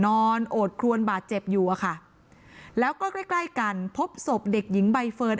โอดครวนบาดเจ็บอยู่อะค่ะแล้วก็ใกล้ใกล้กันพบศพเด็กหญิงใบเฟิร์น